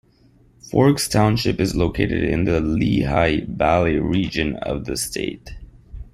Forks Township is located in the Lehigh Valley region of the state.